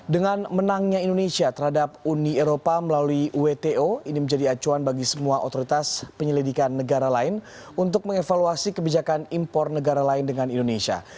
dengan menangnya indonesia terhadap uni eropa melalui wto ini menjadi acuan bagi semua otoritas penyelidikan negara lain untuk mengevaluasi kebijakan impor negara lain dengan indonesia